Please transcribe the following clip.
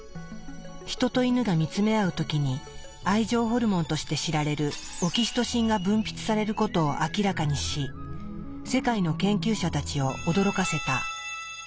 ヒトとイヌが見つめ合う時に愛情ホルモンとして知られるオキシトシンが分泌されることを明らかにし世界の研究者たちを驚かせた。